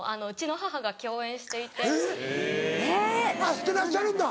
知ってらっしゃるんだ。